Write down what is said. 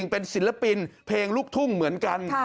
เป็นศิลปินเพลงลูกทุ่งเหมือนกัน